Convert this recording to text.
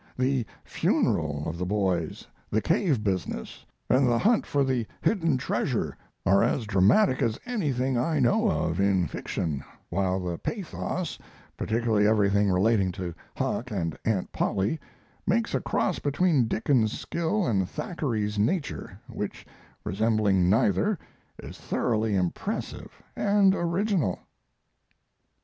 The 'funeral' of the boys, the cave business, and the hunt for the hidden treasure are as dramatic as anything I know of in fiction, while the pathos particularly everything relating to Huck and Aunt Polly makes a cross between Dickens's skill and Thackeray's nature, which, resembling neither, is thoroughly impressive and original."